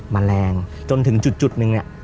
มาแรงจนถึงจุดหนึ่ง